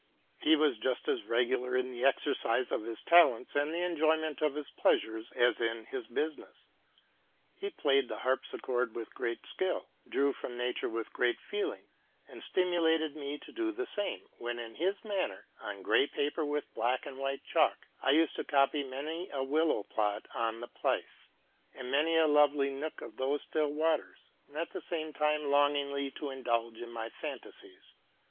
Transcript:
He was just as regular in the exercise of his talents and the enjoyment of his pleasures as in his business. He played the harpsichord with great skill, drew from nature with feeling, and stimulated me to do the same; when, in his manner, on gray paper and with black and white chalk, used to copy many a willow plot on the Pleisse, and many a lovely nook of those still waters, and at the same time longingly to indulge in my fancies.